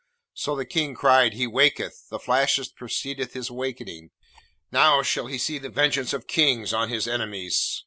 So the King cried, 'He waketh! the flashes preceded his wakening! Now shall he see the vengeance of kings on his enemies.'